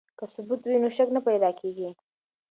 که ثبوت وي نو شک نه پیدا کیږي.